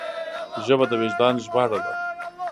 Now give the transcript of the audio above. ژبه د وجدان ژباړه ده